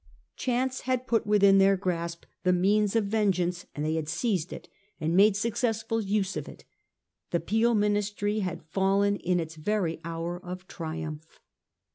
Chance had put within their grasp the means of vengeance, and they had seized it, and made successful use of it. The Peel Ministry had fallen in its very hour of triumph.